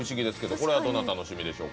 これはどなたの趣味でしょう？